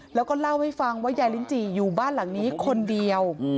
แล้วก็เล่าให้ฟังว่ายายลิ้นจี่อยู่บ้านหลังนี้คนเดียว